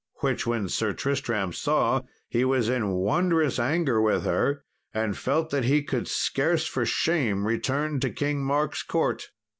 Which, when Sir Tristram saw, he was in wondrous anger with her, and felt that he could scarce for shame return to King Mark's court.